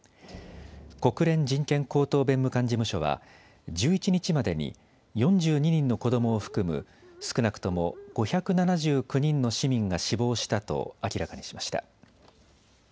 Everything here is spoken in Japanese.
国連人権高等弁務官事務所は１１日までに４２人の子どもを含む少なくとも５７９人の市民が死亡したと明らかにしました。